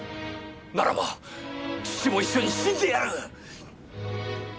ならば父も一緒に死んでやる！